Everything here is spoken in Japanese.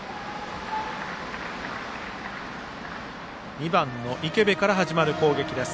２番の池邉から始まる攻撃です。